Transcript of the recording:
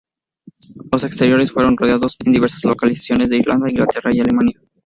Los exteriores fueron rodados en diversas localizaciones de Irlanda, Inglaterra y Alemania.